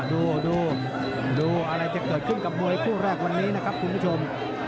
ดูดูอะไรจะเกิดขึ้นกับมวยคู่แรกวันนี้นะครับคุณผู้ชม